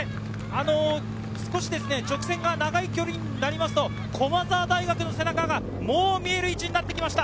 少し直線が長い距離になると駒澤大学の背中が見える位置になってきました。